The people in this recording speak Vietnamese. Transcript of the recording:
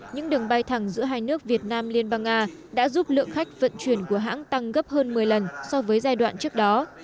những đường bay thẳng giữa hai nước việt nam liên bang nga đã giúp lượng khách vận chuyển của hãng tăng gấp hơn một mươi lần so với giai đoạn trước đó